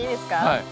はい。